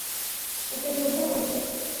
ওকে শ্রদ্ধা করতেন?